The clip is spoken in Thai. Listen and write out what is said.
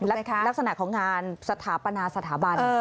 ลักษณะของงานสถาปนาสถาบัน